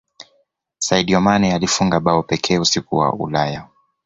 saidio mane alifunga bao pekee usiku wa ulaya